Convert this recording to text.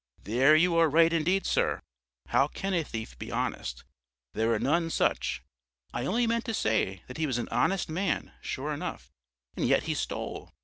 "There you are right indeed, sir. How can a thief be honest? There are none such. I only meant to say that he was an honest man, sure enough, and yet he stole.